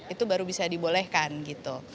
itu baru bisa dibolehkan gitu